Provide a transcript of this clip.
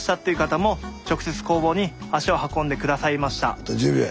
あと１０秒や。